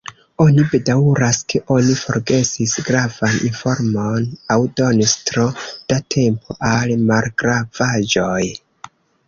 Oni bedaŭras, ke oni forgesis gravan informon, aŭ donis tro da tempo al malgravaĵoj.